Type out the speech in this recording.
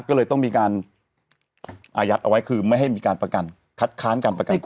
ก็เลยต้องมีการอายัดเอาไว้คือไม่ให้มีการประกันคัดค้านการประกันตัว